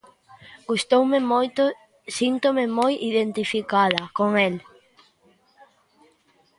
Gustoume moito, síntome moi identificada con el.